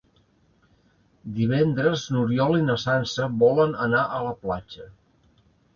Divendres n'Oriol i na Sança volen anar a la platja.